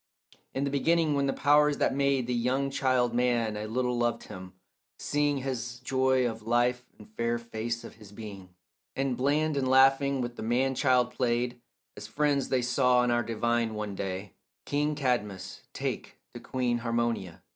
In the beginning when the powers that made The young child man a little loved him, seeing His joy of life and fair face of his being, And bland and laughing with the man child played, As friends they saw on our divine one day King Cadmus take to queen Harmonia.